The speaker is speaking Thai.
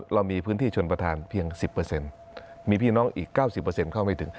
เรามีพื้นที่ชนประธานเพียง๑๐มีพี่น้องอีก๙๐เข้าไม่ถึง